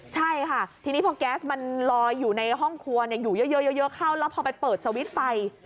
ใช่ค่ะทีนี้พอแก๊สมันลอยอยู่ในห้องครัวอยู่เยอะเข้าแล้วพอไปเปิดสวิตช์ไฟ